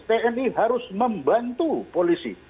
tni harus membantu polisi